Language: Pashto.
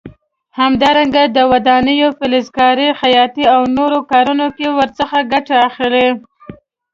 همدارنګه د ودانیو، فلزکارۍ، خیاطۍ او نورو کارونو کې ورڅخه ګټه اخلي.